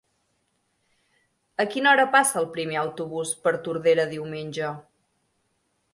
A quina hora passa el primer autobús per Tordera diumenge?